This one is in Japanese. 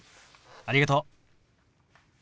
ありがとう。